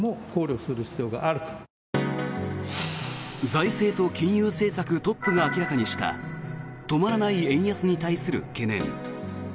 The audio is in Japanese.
財政と金融政策トップが明らかにした止まらない円安に対する懸念。